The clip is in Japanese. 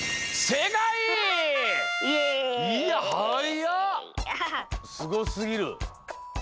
すごすぎる。